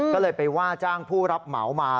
ก็เลยไปว่าจ้างผู้รับเหมามา